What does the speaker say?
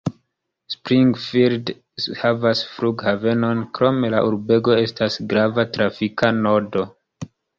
Springfield havas flughavenon, krome la urbego estas grava trafika nodo.